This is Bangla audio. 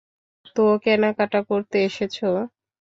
তো, কেনাকাটা করতে এসেছ?